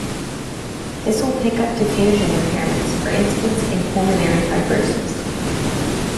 This will pick up diffusion impairments, for instance in pulmonary fibrosis.